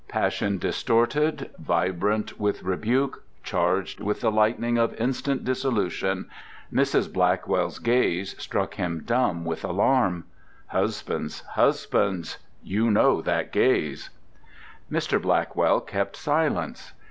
Passion distorted, vibrant with rebuke, charged with the lightning of instant dissolution, Mrs. Blackwell's gaze struck him dumb with alarm. Husbands, husbands, you know that gaze! Mr. Blackwell kept silence.